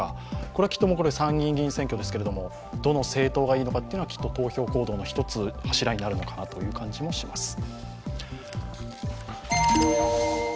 これから参議院議員選挙ですけども、どの政党がいいのか、投票行動の柱になるのかなという感じがします。